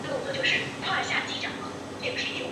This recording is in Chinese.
荒狼之后被狄萨德所复活。